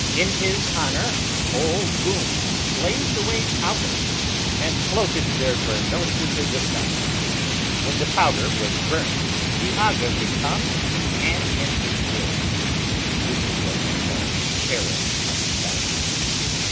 In his honour whole goums blazed away powder, and floated their burnouses in the sun. When the powder was burnt, the agha would come and hand in his bill. This is what is called Arab hospitality.